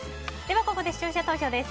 ここで視聴者投票です。